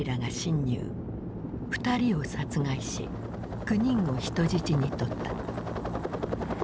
２人を殺害し９人を人質にとった。